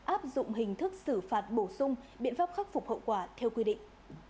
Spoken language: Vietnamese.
áp dụng hình thức xử phạt bổ sung biện pháp khắc phục hậu quả theo quy định